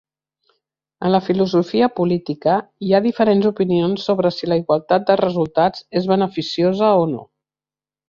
En la filosofia política, hi ha diferents opinions sobre si la igualtat de resultats és beneficiosa o no.